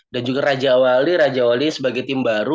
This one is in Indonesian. dan juga raja wali sebagai tim baru